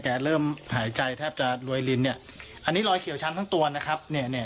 เริ่มหายใจแทบจะรวยลินเนี่ยอันนี้รอยเขียวช้ำทั้งตัวนะครับเนี่ย